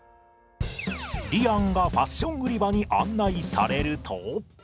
りあんがファッション売り場に案内されると。